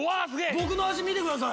僕の脚見てください